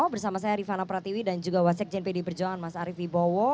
bersama saya rifana pratiwi dan juga wasyek jnp di perjuangan mas arief ribowo